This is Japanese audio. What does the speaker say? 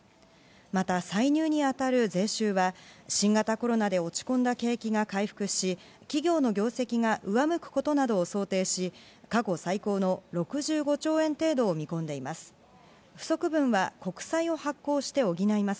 また歳入に当たる税収は新型コロナで落ち込んだ景気が回復し、企業の業績が上向くことなどを想定し、過去最高の６５兆円程度を見込んでいます。